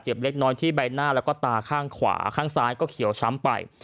เล็กน้อยที่ใบหน้าแล้วก็ตาข้างขวาข้างซ้ายก็เขียวช้ำไป